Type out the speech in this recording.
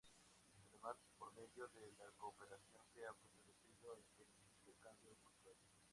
Además, por medio de la cooperación se ha fortalecido el intercambio cultural.